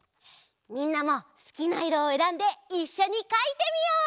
みんなもすきないろをえらんでいっしょにかいてみよう！